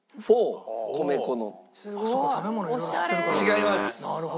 違います。